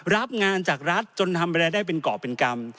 รับงานจากรัฐจนทำอะไรได้เป็นเกาะเป็นกรรม